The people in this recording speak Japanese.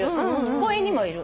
公園にもいる。